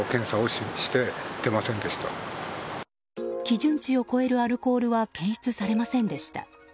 基準値を超えるアルコールは検出されませんでした。